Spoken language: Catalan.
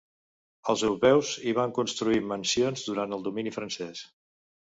Els europeus hi van construir mansions durant el domini francès.